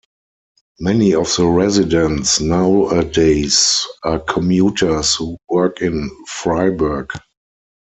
Many of the residents nowadays are commuters who work in Fribourg.